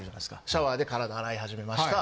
シャワーで体洗い始めました。